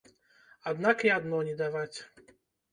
Аднак і адно не даваць!